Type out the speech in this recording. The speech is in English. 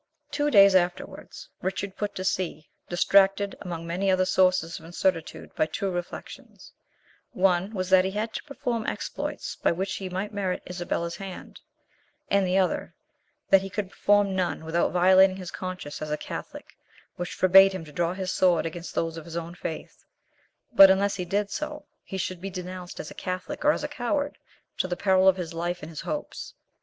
Two days afterwards, Richard put to sea, distracted among many other sources of incertitude by two reflections—one was that he had to perform exploits by which he might merit Isabella's hand; and the other, that he could perform none without violating his conscience as a catholic, which forbade him to draw his sword against those of his own faith, but unless he did so, he should be denounced as a catholic or as a coward, to the peril of his life and his hopes.